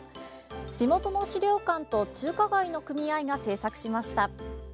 地元の資料館と中華街の組合が制作しました。